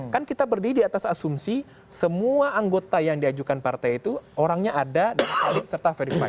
kan kita berdiri di atas asumsi semua anggota yang diajukan partai itu orangnya ada dan solid serta verifikasi